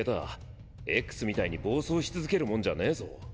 “Ｘ”みたいに暴走し続けるモンじゃねぇぞ。